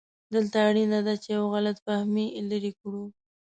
دلته اړینه ده چې یو غلط فهمي لرې کړو.